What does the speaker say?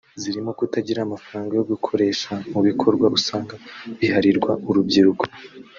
zirimo kutagira amafaranga yo gukoresha mu bikorwa usanga biharirwa urubyiruko